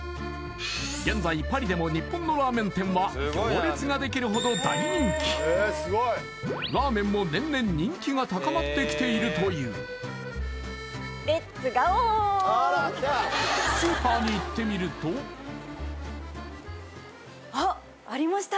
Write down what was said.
現在パリでも日本のラーメン店は行列ができるほど大人気ラーメンも年々人気が高まってきているというあっありました